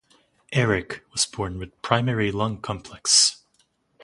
Eric was born with Primary Lung Complex.